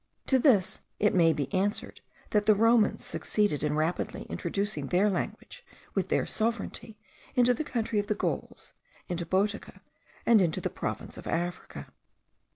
To this it may be answered, that the Romans* succeeded in rapidly introducing their language with their sovereignty into the country of the Gauls, into Boetica, and into the province of Africa.